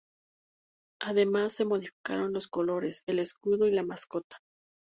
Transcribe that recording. Además, se modificaron los colores, el escudo y la mascota.